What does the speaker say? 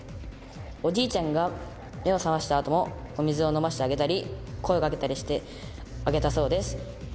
おじいちゃんが目を覚ましたあともお水を飲ませてあげたり声をかけたりしてあげたそうです